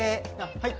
はい。